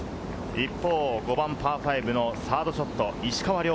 一方、５番、パー５のサードショット、石川遼。